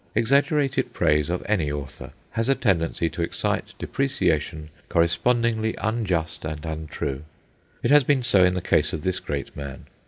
Exaggerated praise of any author has a tendency to excite depreciation correspondingly unjust and untrue. It has been so in the case of this great man.